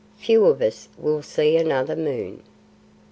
Few of us will see another moon."